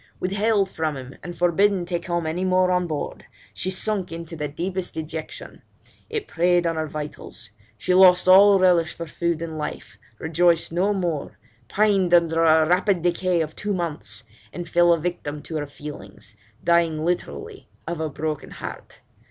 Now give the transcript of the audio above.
Withheld from him, and forbidden to come any more on board, she sunk into the deepest dejection; it preyed on her vitals; she lost all relish for food and life, rejoiced no more, pined under a rapid decay of two months, and fell a victim to her feelings, dying literally of a broken heart.